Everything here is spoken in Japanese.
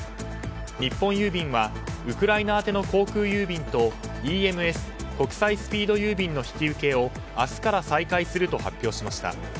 日本郵便はウクライナ宛ての航空郵便とＥＭＳ・国際スピード郵便の引き受けを明日から再開すると発表しました。